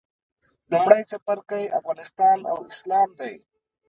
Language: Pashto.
لومړی څپرکی افغانستان او اسلام دی.